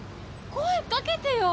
声かけてよ！